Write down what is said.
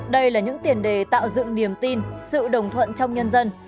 đây là những tiền đề tạo dựng niềm tin sự đồng thuận trong nhân dân